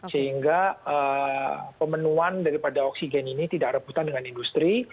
sehingga pemenuhan daripada oksigen ini tidak rebutan dengan industri